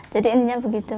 jadi intinya begitu